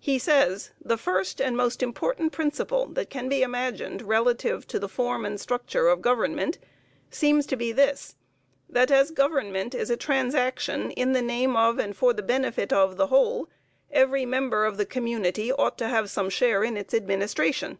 He says: "The first and most important principle that can be imagined relative to the form and structure of government, seems to be this: that as government is a transaction in the name and for the benefit of the whole, every member of the community ought to have some share in its administration."